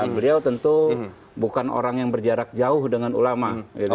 beliau tentu bukan orang yang berjarak jauh dengan ulama